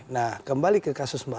nah kembali ke kasus mbak